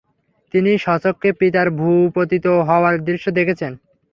তিনি স্বচক্ষে পিতার ভূপতিত হওয়ার দৃশ্য দেখছেন।